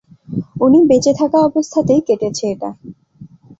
উনি বেঁচে থাকা অবস্থাতেই কেটেছে এটা।